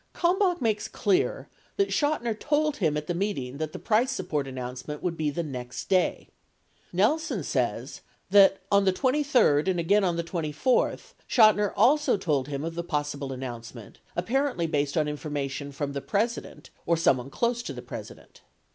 — Kalmbach makes clear that, Chotiner told him at the meeting that the price sup port announcement would be the next day. Nelson says that, on the 23d, and again on the 24th, Chotiner also told him of the possible announcement, apparently based on information "from the President or someone close to the President."